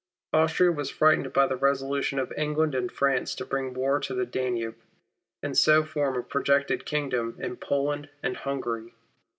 Austria was frightened by the resolution of England and France to bring war to the Danube, and so form a projected Kingdom in Poland and Hungary.